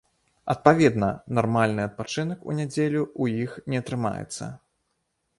Адпаведна, нармальны адпачынак у нядзелю ў іх не атрымаецца.